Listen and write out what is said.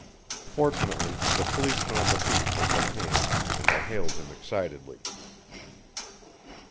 Fortunately the policeman on the beat was at hand, and I hailed him excitedly.